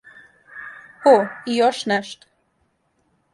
О, и још нешто.